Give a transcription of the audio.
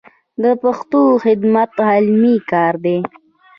د پښتو خدمت علمي کار دی.